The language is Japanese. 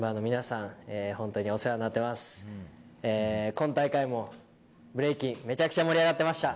今大会もブレイキンめちゃくちゃ盛り上がってました。